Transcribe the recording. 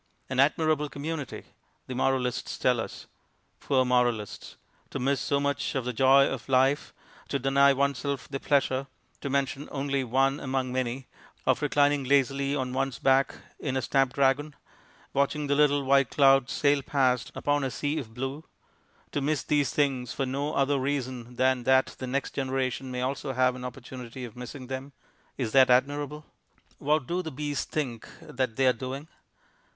An admirable community, the moralists tell us. Poor moralists! To miss so much of the joy of life; to deny oneself the pleasure (to mention only one among many) of reclining lazily on one's back in a snap dragon, watching the little white clouds sail past upon a sea of blue; to miss these things for no other reason than that the next generation may also have an opportunity of missing them is that admirable? What do the bees think that they are doing?